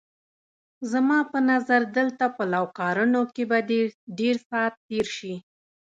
زما په نظر دلته په لوکارنو کې به دې ډېر ساعت تېر شي.